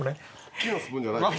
木のスプーンじゃないよ。